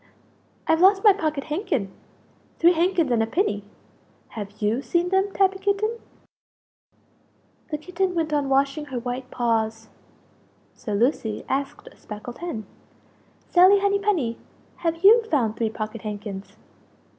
"I've lost my pocket handkin! Three handkins and a pinny! Have you seen them, Tabby Kitten?" The Kitten went on washing her white paws; so Lucie asked a speckled hen "Sally Henny penny, have you found three pocket handkins?"